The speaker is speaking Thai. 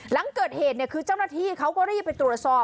หลังเกิดเหตุคือเจ้าหน้าที่เขาก็รีบไปตรวจสอบ